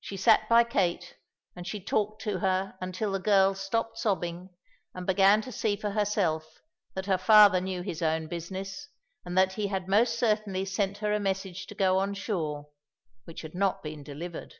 She sat by Kate and she talked to her until the girl stopped sobbing and began to see for herself that her father knew his own business, and that he had most certainly sent her a message to go on shore, which had not been delivered.